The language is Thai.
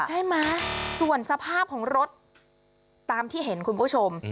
ใช่ไหมส่วนสภาพของรถตามที่เห็นคุณผู้ชม